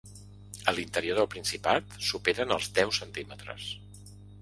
A l’interior del Principat superen els deu centímetres.